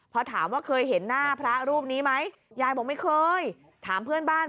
พอถามว่าเคยเห็นหน้าพระรูปนี้ไหมยายบอกไม่เคยถามเพื่อนบ้าน